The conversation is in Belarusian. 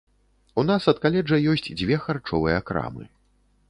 У нас ад каледжа ёсць дзве харчовыя крамы.